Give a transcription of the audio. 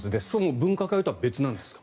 分科会とは別なんですか？